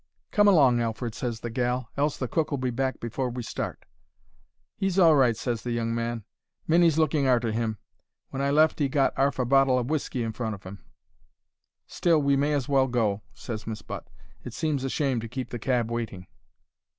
"'Come along, Alfred,' ses the gal, 'else the cook'll be back before we start.' "'He's all right,' ses the young man. 'Minnie's looking arter him. When I left he'd got 'arf a bottle of whisky in front of 'im.' "'Still, we may as well go,' ses Miss Butt. 'It seems a shame to keep the cab waiting.'